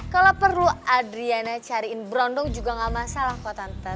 kalau perlu adriana cariin brondong juga gak masalah kok tante